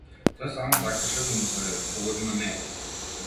Тој само сакаше да му се погоди на него.